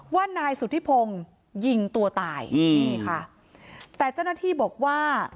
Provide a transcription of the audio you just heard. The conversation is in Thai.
ว่านายสุธิพงศ์ยิงตัวตายอืมนี่ค่ะแต่เจ้าหน้าที่บอกว่า